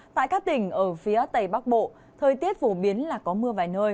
tại các tỉnh ở phía tây bắc bộ thời tiết phổ biến là có mưa vài nơi